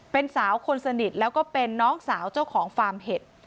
เป็นสาวคนสนิทแล้วก็เป็นน้องสาวเจ้าของฟาร์มเห็ด